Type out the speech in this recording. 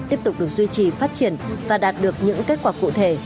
tiếp tục được duy trì phát triển và đạt được những kết quả cụ thể